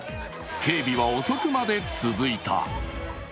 警備は遅くまで続いた。